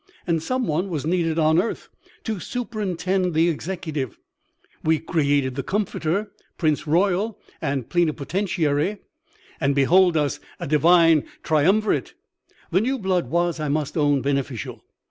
As some one was needed on earth to superintend the executive, we created the Comforter, prince royal and plenipotentiary; and behold us a divine triumvirate! The new blood was, I must own, beneficial.